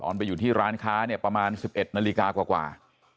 ไปอยู่ที่ร้านค้าเนี่ยประมาณ๑๑นาฬิกากว่า